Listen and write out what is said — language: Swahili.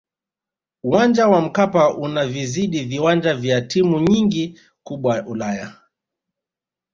uwanja wa mkapa unavizidi viwanja vya timu nyingi kubwa ulaya